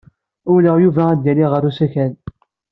Ulleɣ Yuba ad yali ɣer usakal.